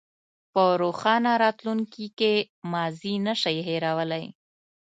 په روښانه راتلونکي کې ماضي نه شئ هېرولی.